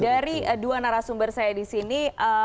dari dua narasumber saya disini